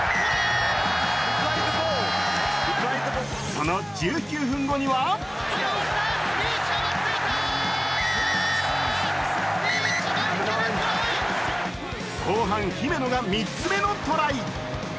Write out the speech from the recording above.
その１９分後には後半、姫野が３つ目のトライ。